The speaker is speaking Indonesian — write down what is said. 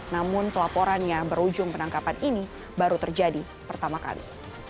namun pelaporannya berujung penangkapan ini baru terjadi pertama kali